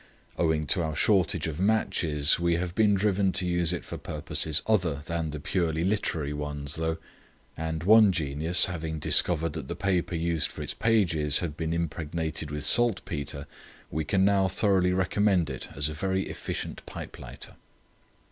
Owing to our shortage of matches we have been driven to use it for purposes other than the purely literary ones though; and one genius having discovered that the paper, used for its pages had been impregnated with saltpetre, we can now thoroughly recommend it as a very efficient pipe lighter."